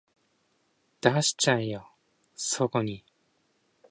出しちゃえよそこに